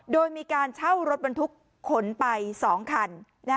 โดยมีการเช่ารถบรรทุกขนไป๒คัน